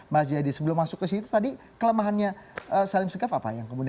mas jadi sebelum masuk ke situ tadi kelemahannya salif segev apa ya